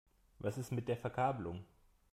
Was ist mit der Verkabelung?